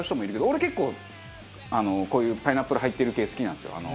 俺結構こういうパイナップル入ってる系好きなんですよ